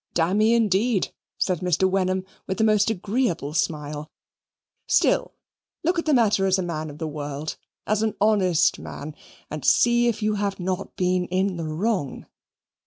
"Dammy, indeed," said Mr. Wenham with the most agreeable smile; "still, look at the matter as a man of the world as an honest man and see if you have not been in the wrong.